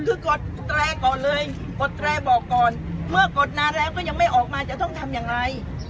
คือกดแตรก่อนเลยกดแตรบอกก่อนเมื่อกดนานแล้วก็ยังไม่ออกมาจะต้องทำอย่างไร